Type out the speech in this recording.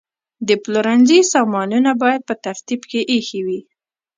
د پلورنځي سامانونه باید په ترتیب کې ایښي وي.